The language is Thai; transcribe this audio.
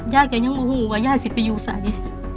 ยายก็ยังรู้ว่ายายสิทธิ์ไปอยู่ใส่